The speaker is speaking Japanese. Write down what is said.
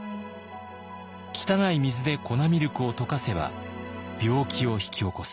汚い水で粉ミルクを溶かせば病気を引き起こす。